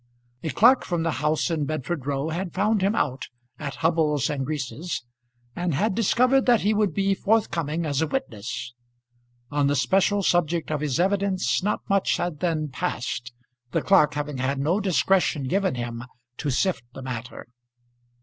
A clerk from the house in Bedford Row had found him out at Hubbles and Grease's, and had discovered that he would be forthcoming as a witness. On the special subject of his evidence not much had then passed, the clerk having had no discretion given him to sift the matter.